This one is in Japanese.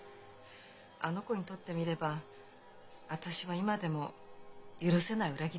あの子にとってみれば私は今でも許せない裏切り者ですから。